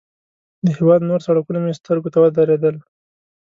د هېواد نور سړکونه مې سترګو ته ودرېدل.